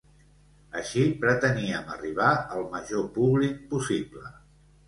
Així preteníem arribar al major públic possible.